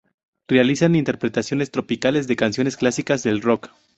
Realizan interpretaciones tropicales de canciones clásicas del rock.